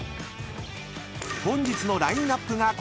［本日のラインアップがこちら］